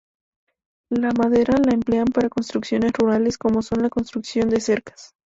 La madera la emplean para construcciones rurales como son la construcción de cercas.